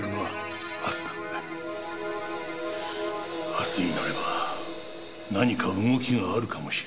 明日になれば何か動きがあるかもしれない。